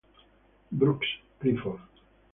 Brooks, Clifford.